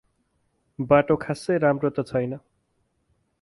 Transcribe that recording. बाटो खास्सै राम्रो त् छैन ।